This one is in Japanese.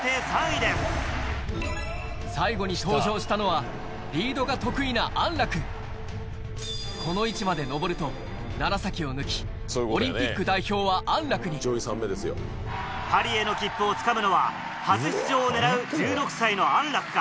最後に登場したのはこの位置まで登ると楢を抜きオリンピック代表は安楽にパリへの切符をつかむのは初出場を狙う１６歳の安楽か？